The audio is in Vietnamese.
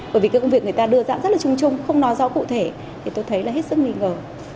bởi vì cái công việc người ta đưa ra rất là trung trung không nói rõ cụ thể thì tôi thấy là hết sức nghi ngờ